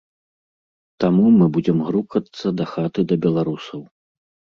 Таму мы будзем грукацца дахаты да беларусаў.